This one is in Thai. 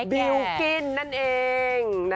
บิลกิ้นนั่นเอง